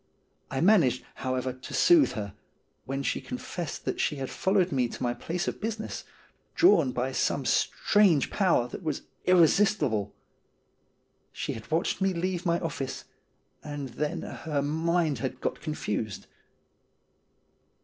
I managed, how ever, to soothe her, when she confessed that she had followed me to my place of business, drawn by some strange power that was irresistible. She had watched me leave my office, and then her mind had got confused.